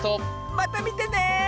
またみてね！